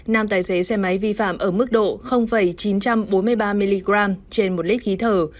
nam tài xế xe máy vi phạm ở mức độ chín trăm bốn mươi ba mg trên một lít khí thở